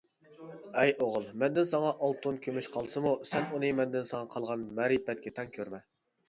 ئەي ئوغۇل، مەندىن ساڭا ئالتۇن، كۈمۈش قالسىمۇ، سەن ئۇنى مەندىن ساڭا قالغان مەرىپەتكە تەڭ كۆرمە.